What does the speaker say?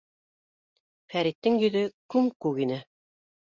Фәриттең йөҙө күм-күк ине.